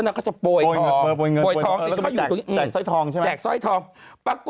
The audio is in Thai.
มันเสลิกมาก